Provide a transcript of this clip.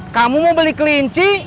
kamu mau beli kelinci